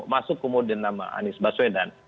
masuk kemudian nama anies baswedan